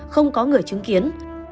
không có người chứng kiến